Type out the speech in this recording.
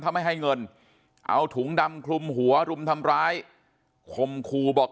ถ้าไม่ให้เงินเอาถุงดำคลุมหัวรุมทำร้ายคมคูบอก